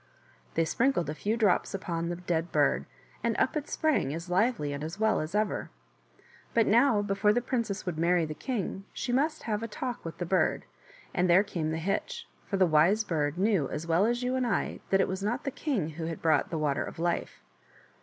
They sprinkled a few drops upon the dead bird, and up it sprang as lively and as well as ever. But now, before the princess would marry the king she must have a talk with the bird, and there came the hitch, for the Wise Bird knew as well as you and I that it was not the king who had brought the Water of Life.